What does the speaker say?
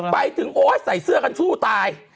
ไปถึงโอ๊ยใส่เสื้อกันชู้ตาย